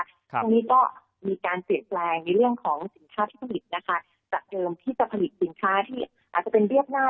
ตรงนี้ก็มีการเปลี่ยนแปลงในเรื่องของสินค้าที่ผลิตนะคะจากเดิมที่จะผลิตสินค้าที่อาจจะเป็นเรียบง่าย